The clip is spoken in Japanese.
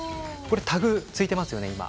タグがついていますよね。